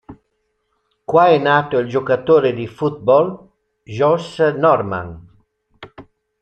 Qua è nato il giocatore di football Josh Norman.